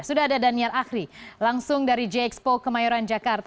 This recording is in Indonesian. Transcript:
sudah ada daniar akhri langsung dari j expo kemayoran jakarta